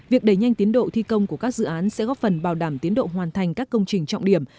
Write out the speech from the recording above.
việc đẩy nhanh tiến độ thi công của các dự án sẽ góp phần bảo đảm tiến độ hoàn thành các công trình trọng điểm